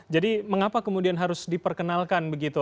jadi mengapa kemudian harus diperkenalkan begitu